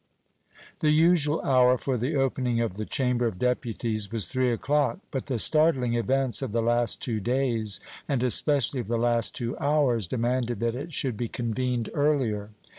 The usual hour for the opening of the Chamber of Deputies was three o'clock; but the startling events of the last two days, and especially of the last two hours, demanded that it should be convened earlier.